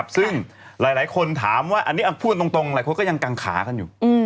ซึ่งหลายคนถามว่าอันนี้พูดตรงหลายคนก็ยังกังขากันอยู่